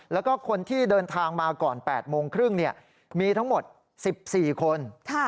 แล้วก็คนที่เดินทางมาก่อน๘โมงครึ่งมีทั้งหมด๑๔คน